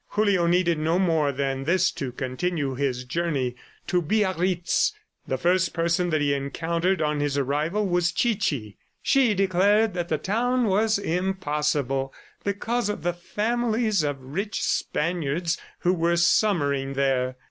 Julio needed no more than this to continue his journey. To Biarritz! The first person that he encountered on his arrival was Chichi. She declared that the town was impossible because of the families of rich Spaniards who were summering there.